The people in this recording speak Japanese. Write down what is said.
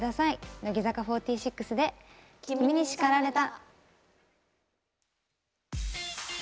乃木坂４６で「君に叱られた」。